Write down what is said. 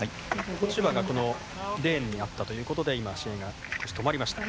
落ち葉がレーンにあったということで今、試合が止まりました。